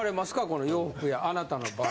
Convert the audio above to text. この洋服屋あなたの場合。